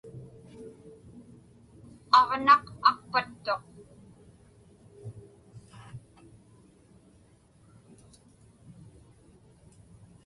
Aġnaq aqpattuq.